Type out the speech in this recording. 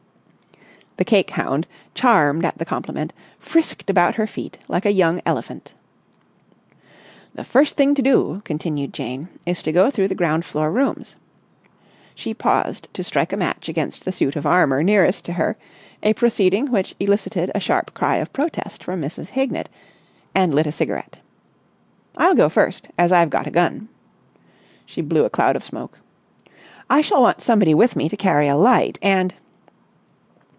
The cake hound, charmed at the compliment, frisked about her feet like a young elephant. "The first thing to do," continued Jane, "is to go through the ground floor rooms...." She paused to strike a match against the suit of armour nearest to her, a proceeding which elicited a sharp cry of protest from Mrs. Hignett, and lit a cigarette. "I'll go first, as I've got a gun...." She blew a cloud of smoke. "I shall want somebody with me to carry a light, and...."